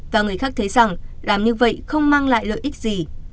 và người khác thấy rằng làm như vậy không mang lại lợi ích gì